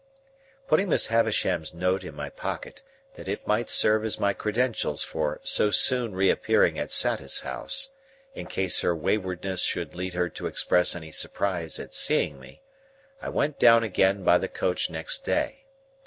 Putting Miss Havisham's note in my pocket, that it might serve as my credentials for so soon reappearing at Satis House, in case her waywardness should lead her to express any surprise at seeing me, I went down again by the coach next day.